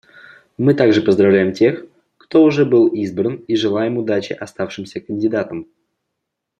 Мы также поздравляем тех, кто уже был избран, и желаем удачи оставшимся кандидатам.